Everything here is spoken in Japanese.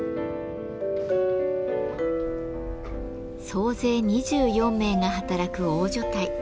総勢２４名が働く大所帯。